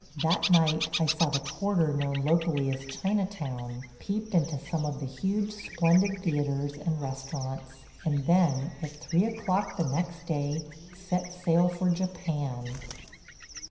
That night I saw the quarter known locally as China Town, peeped into some of the huge, splendid theatres and restaurants, and then, at three o'clock the next day, set sail for Japan.